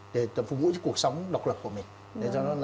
để phục vụ cuộc sống độc lập của mình